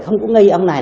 không có nghi ông này